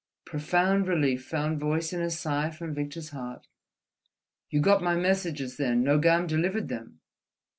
Profound relief found voice in a sigh from Victor's heart. "You got my messages, then? Nogam delivered them?"